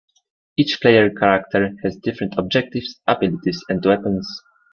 Each player character has different objectives, abilities, and weapons.